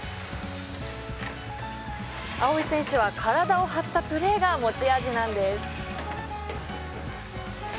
葵選手は体を張ったプレーが持ち味なんです